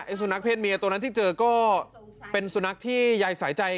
สุนัขเศษเมียตัวนั้นที่เจอก็เป็นสุนัขที่ยายสายใจ